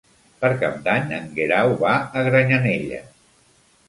Per Cap d'Any en Guerau va a Granyanella.